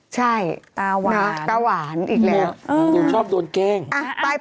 ใช่ตาหวานตาหวานอีกแล้วนางชอบโดนแกล้งนางชอบโดนแกล้ง